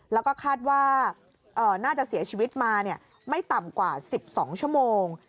แล้วก็คาดว่าน่าจะเสียชีวิตมาไม่ต่ำกว่า๑๒ชั่วโมง